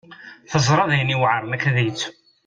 Teẓra d ayen yuɛren akken ad yettu.